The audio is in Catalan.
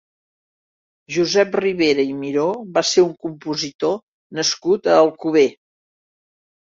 Josep Ribera i Miró va ser un compositor nascut a Alcover.